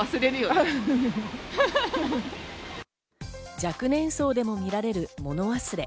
若年層でも見られるもの忘れ。